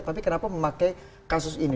tapi kenapa memakai kasus ini